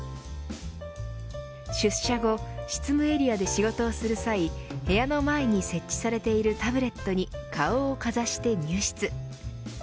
出社後執務エリアで仕事をする際部屋の前に設置されているタブレットに顔をかざして入室。